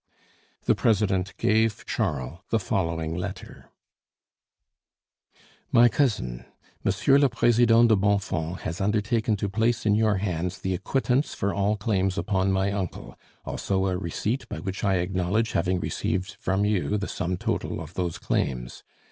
The president gave Charles the following letter: My Cousin, Monsieur le president de Bonfons has undertaken to place in your hands the aquittance for all claims upon my uncle, also a receipt by which I acknowledge having received from you the sum total of those claims.